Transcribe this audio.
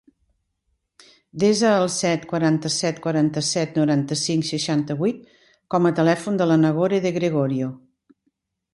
Desa el set, quaranta-set, quaranta-set, noranta-cinc, seixanta-vuit com a telèfon de la Nagore De Gregorio.